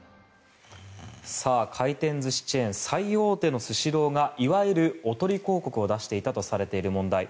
回転寿司チェーン最大手のスシローがいわゆるおとり広告を出していたとされている問題。